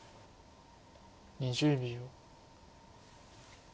２０秒。